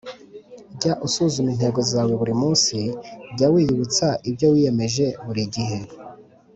Jya usuzuma intego zawe buri munsi. Jya wiyibutsa ibyo wiyemeje buri gihe